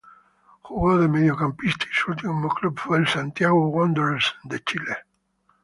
Jugó de Mediocampista y su último club fue el Santiago Wanderers de Chile.